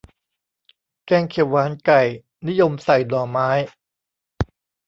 แกงเขียวหวานไก่ นิยมใส่หน่อไม้